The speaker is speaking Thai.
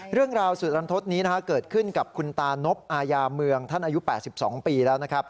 เรื่องราวสุรรรณทศนี้เกิดขึ้นกับคุณตานพอเมืองท่านอายุ๘๒ปีแล้ว